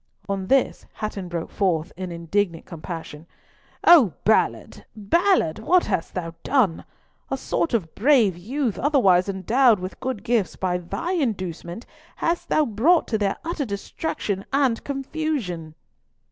On this Hatton broke forth in indignant compassion,—"O Ballard! Ballard! what hast thou done? A sort of brave youth, otherwise endowed with good gifts, by thy inducement hast thou brought to their utter destruction and confusion!"